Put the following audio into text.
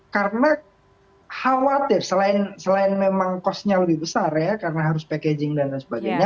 karena khawatir selain memang cost nya lebih besar ya karena harus packaging dan sebagainya